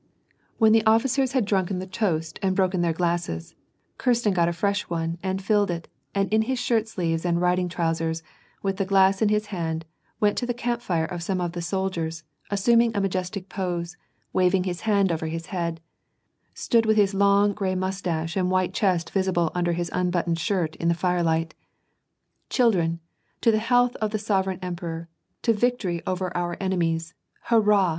When the officers had drunken the toast and broken their WAR AND PEACE. 811 glasses, Kiraten got a fresh one and filled it, and in his shirt sleeves and riding trouseis, with the glass in his hand, went to the camp fire of some of the soldiers, and assuming a majes tic pose, waving his hand over his head, stood with his long, grey mustache and white chest visible under his unbuttoned shirt, in the firelight, —" Children ! to the health of the sovereign emperor, to vic toiy over our enemies ! Hurrah